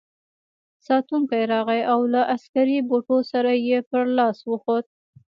ساتونکی راغی او له عسکري بوټو سره یې پر لاس وخوت.